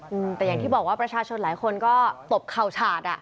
อืมแต่อย่างที่บอกว่าประชาชนหลายคนก็ตบเข่าฉาดอ่ะ